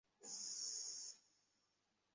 আমাকে ডেকেছেন, চাচি?